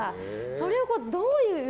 それをどういう。